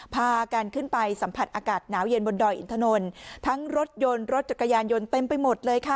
พากันขึ้นไปสัมผัสอากาศหนาวเย็นบนดอยอินถนนทั้งรถยนต์รถจักรยานยนต์เต็มไปหมดเลยค่ะ